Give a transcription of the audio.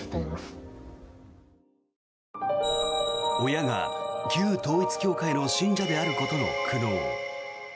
親が旧統一教会の信者であることの苦悩。